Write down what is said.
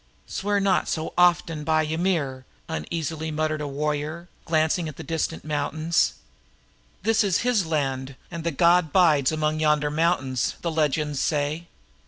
"Swear not so often by Ymir," muttered a warrior, glancing at the distant mountains. "This is his land and the god bides among yonder mountains, the legends say."